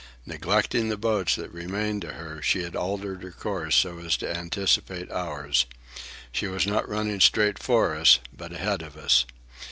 Neglecting the boats that remained to her, she had altered her course so as to anticipate ours. She was not running straight for us, but ahead of us.